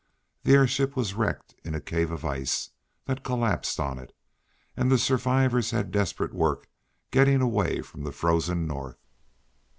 The airship was wrecked in a cave of ice, that collapsed on it, and the survivors had desperate work getting away from the frozen North.